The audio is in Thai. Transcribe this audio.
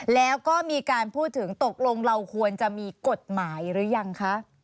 แล้วก็มีการพูดถึงตกลงเราควรจะมีกฎหมายหรือยังคะ